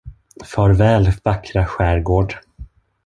Farväl, vackra skärgård!